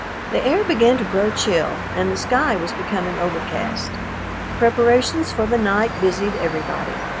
The air began to grow chill and the sky was becoming overcast. Preparations for the night busied everybody.